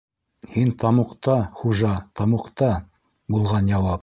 «Һин тамуҡта, Хужа, тамуҡта!» - булған яуап.